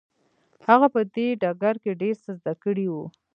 هغه په دې ډګر کې ډېر څه زده کړي وو.